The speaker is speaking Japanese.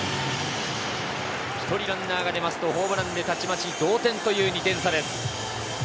１人ランナーが出ると、ホームランでたちまち同点という２点差です。